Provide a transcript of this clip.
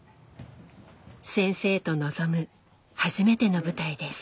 先生と臨む初めての舞台です。